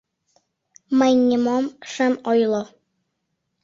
— Мый нимом шым ойло...